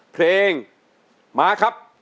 เพลงมาครับ